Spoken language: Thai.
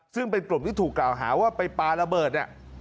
ซึ่งเป็นกลุ่มที่ถูกกล่าวหาว่าไปปลาระเบิดเนี่ย